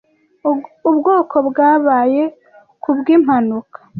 Ubwoko bwabaye kubwimpanuka.